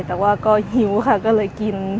แต่ว่าก็หิวค่ะก็เลยกิน